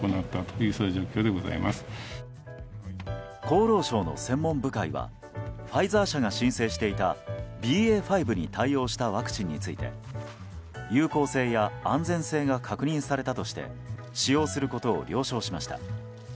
厚労省の専門部会はファイザー社が申請していたＢＡ．５に対応したワクチンについて有効性や安全性が確認されたとして使用することを了承しました。